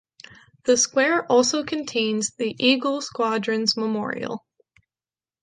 The square also contains the Eagle Squadrons Memorial.